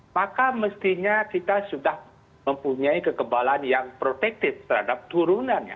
maka mestinya kita sudah mempunyai kekebalan yang protektif terhadap turunannya